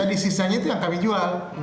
jadi sisanya itu yang kami jual